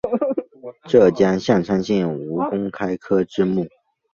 浙江象山县吴公开科之墓